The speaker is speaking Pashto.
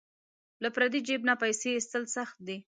له پردي جیب نه پیسې ایستل سخت دي.